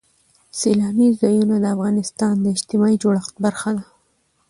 سیلانی ځایونه د افغانستان د اجتماعي جوړښت برخه ده.